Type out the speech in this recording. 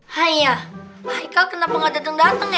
hai ya hai kau kenapa nggak dateng dateng ya